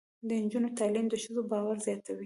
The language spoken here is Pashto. د نجونو تعلیم د ښځو باور زیاتوي.